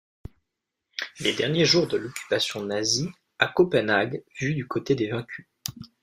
Les derniers jours de l'occupation nazie à Copenhague, vus du côté des vaincus.